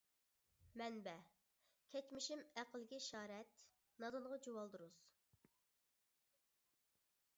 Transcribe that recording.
مەنبە :كەچمىشىم ئەقىلگە ئىشارەت، نادانغا جۇۋالدۇرۇز.